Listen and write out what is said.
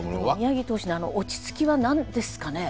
宮城投手のあの落ち着きは何ですかね？